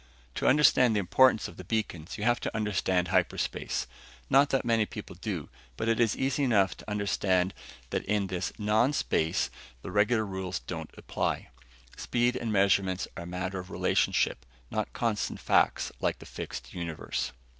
To understand the importance of the beacons, you have to understand hyperspace. Not that many people do, but it is easy enough to understand that in this non space the regular rules don't apply. Speed and measurements are a matter of relationship, not constant facts like the fixed universe.